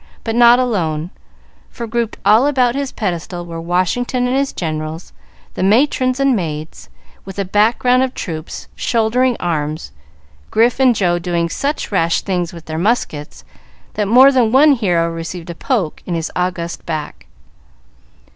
But not alone, for grouped all about his pedestal were Washington and his generals, the matrons and maids, with a background of troops shouldering arms, Grif and Joe doing such rash things with their muskets, that more than one hero received a poke in his august back.